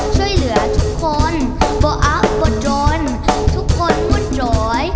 ช่วยเหลือทุกคนบ่อับบดรนทุกคนมุดหนอน